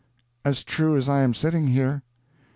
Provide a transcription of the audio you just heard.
"As true as I am sitting here."